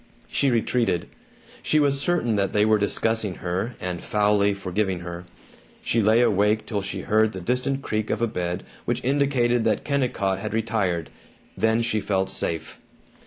She retreated. She was certain that they were discussing her, and foully forgiving her. She lay awake till she heard the distant creak of a bed which indicated that Kennicott had retired. Then she felt safe.